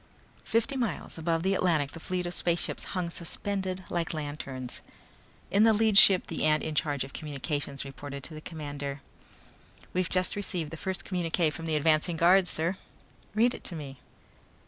Fifty miles above the Atlantic the fleet of spaceships hung suspended like lanterns. In the lead ship the ant in charge of communications reported to the commander. "We've just received the first communique from the advance guard, sir." "Read it to me."